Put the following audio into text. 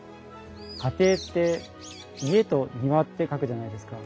家庭って「家」と「庭」って書くじゃないですか。